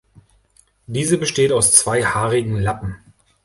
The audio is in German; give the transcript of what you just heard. Diese besteht aus zwei haarigen Lappen.